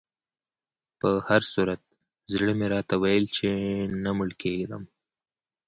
په هر صورت زړه مې راته ویل چې نه مړ کېدم.